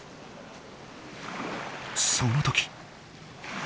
その時。